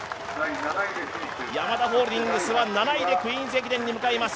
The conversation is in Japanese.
ヤマダホールディングスは７位でクイーンズ駅伝に向かいます。